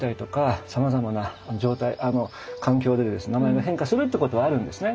名前が変化するっていうことはあるんですね。